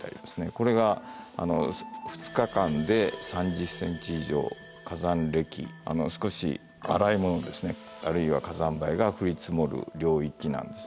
これが２日間で３０ｃｍ以上火山礫少し粗いものですねあるいは火山灰が降り積もる領域なんです。